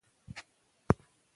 لوستې مور د ماشوم پرهېز رعایتوي.